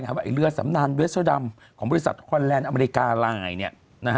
ว่าไอ้เรือสำนานเวสเตอร์ดำของบริษัทคอนแลนด์อเมริกาไลน์เนี่ย